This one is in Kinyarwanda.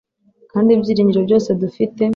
Kandi ibyiringiro byose dufite